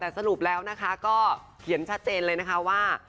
แต่สรุปแล้วนะคะก็เขียนชัดเจนเลยนะคะว่า